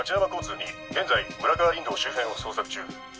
２現在村川林道周辺を捜索中。